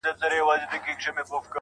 دلته ولور گټمه